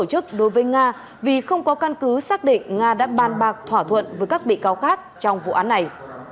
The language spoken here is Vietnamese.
tổ chức đối với nga vì không có căn cứ xác định nga đã ban bạc thỏa thuận với các bị cáo khác trong vụ án này